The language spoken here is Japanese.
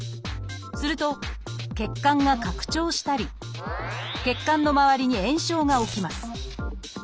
すると血管が拡張したり血管の回りに炎症が起きます。